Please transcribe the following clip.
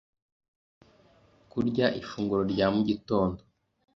Kurya Ifunguro rya mugitondo